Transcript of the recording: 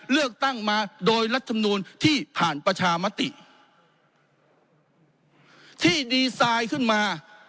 เลือกตั้งมาโดยรัฐมนูลที่ผ่านประชามติที่ดีไซน์ขึ้นมา